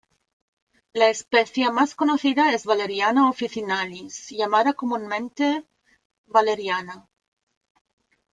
La especie, más conocida es "Valeriana officinalis", llamada comúnmente valeriana.